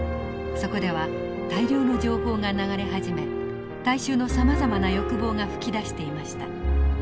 そこでは大量の情報が流れ始め大衆のさまざまな欲望が噴き出していました。